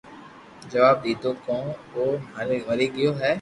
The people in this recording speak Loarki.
جواب ديدو ڪو او مري گيو ھي